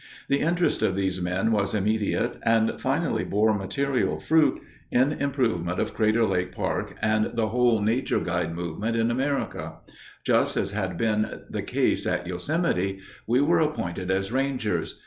The interest of these men was immediate and finally bore material fruit in improvement of Crater Lake Park and the whole Nature Guide movement in America. Just as had been the case at Yosemite, we were appointed as rangers.